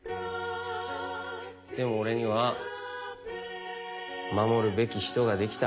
でも俺には守るべき人ができた。